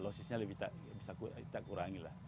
lossesnya lebih tak kurangi lah